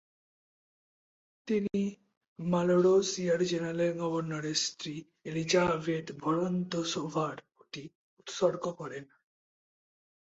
তিনি মালোরোসিয়ার জেনারেল-গভর্নরের স্ত্রী এলিজাভেতা ভোরোন্তসোভার প্রতি উৎসর্গ করেন।